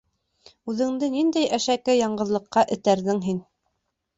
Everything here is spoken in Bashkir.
Үҙеңде ниндәй әшәке яңғыҙлыҡҡа этәрҙең һин?